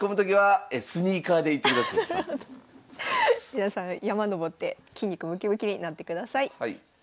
皆さん山登って筋肉ムキムキになってください。